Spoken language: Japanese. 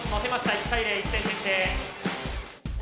１対０１点先制。